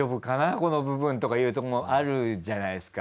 この部分とかいうとこもあるじゃないですか。